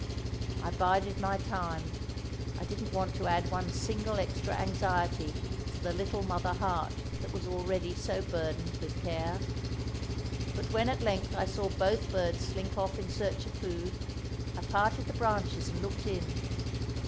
I bided my time. I didn't want to add one single extra anxiety to the little mother heart that was already so burdened with care. But when at length I saw both birds slink off in search of food, I parted the branches and looked in.